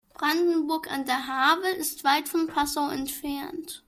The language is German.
Brandenburg an der Havel ist weit von Passau entfernt